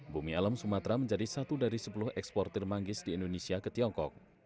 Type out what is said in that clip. bumi alam sumatera menjadi satu dari sepuluh eksportir manggis di indonesia ke tiongkok